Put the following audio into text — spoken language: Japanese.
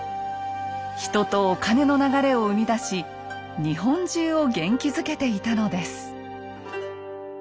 人とお金の流れを生み出し日本中を元気づけていたのです。